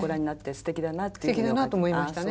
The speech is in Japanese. すてきだなと思いましたね。